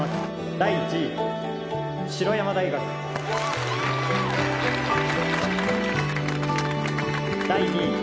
第１位白山大学・第２位